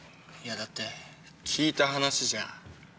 いやだって聞いた話じゃ。